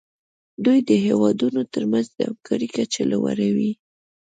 دوی د هیوادونو ترمنځ د همکارۍ کچه لوړوي